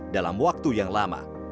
dalam waktu yang lama